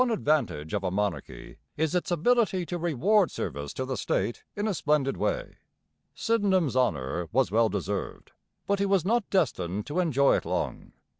One advantage of a monarchy is its ability to reward service to the state in a splendid way. Sydenham's honour was well deserved, but he was not destined to enjoy it long.